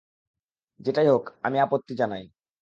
যেটাই হোক, আমি আপত্তি জানাই!